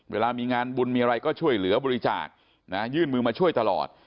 เวลามีงานบุญมีอะไรก็ช่วยเหลือบริจาคยื่นมือมาช่วยตลอด